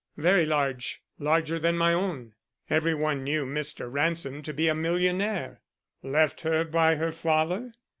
"Very large; larger than my own." Every one knew Mr. Ransom to be a millionaire. "Left her by her father?"